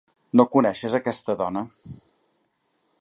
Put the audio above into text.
No coneixes aquesta dona?